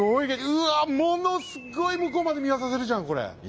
うわものすごい向こうまで見渡せるじゃんこれ。